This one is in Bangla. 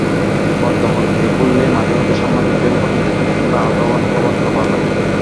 পত্রপত্রিকা খুললেই মাঝেমধ্যে সাংবাদিকদের ওপর নির্যাতন কিংবা আহত হওয়ার খবর ছাপা হয়।